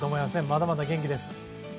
まだまだ元気です。